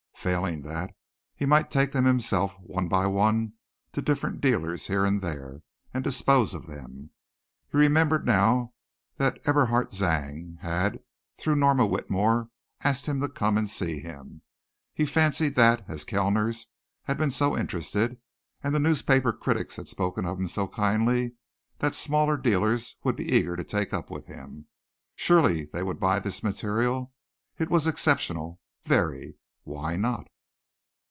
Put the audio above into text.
Failing that, he might take them himself, one by one, to different dealers here and there and dispose of them. He remembered now that Eberhard Zang had, through Norma Whitmore, asked him to come and see him. He fancied that, as Kellners had been so interested, and the newspaper critics had spoken of him so kindly the smaller dealers would be eager to take up with him. Surely they would buy this material. It was exceptional very. Why not?